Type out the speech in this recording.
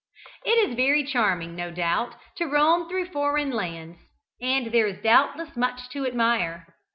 It is very charming, no doubt, to roam through foreign lands, and there is doubtless much to admire.